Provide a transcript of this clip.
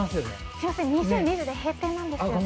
すいません２２時で閉店なんですよ。